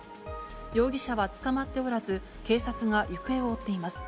容疑者は捕まっておらず、警察が行方を追っています。